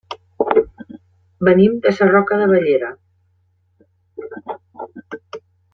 Venim de Sarroca de Bellera.